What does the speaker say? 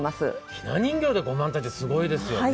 ひな人形で５万体ってすごいですよね。